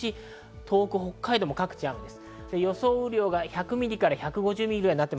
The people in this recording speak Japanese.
東北・北海道も各地、雨です。